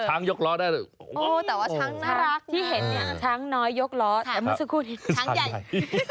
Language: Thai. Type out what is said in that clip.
ช้างยกล้อด้วยโอ้แต่ว่าช้างน่ารักช้างน้อยยกล้อแต่เมื่อสักครู่นี้ช้างใหญ่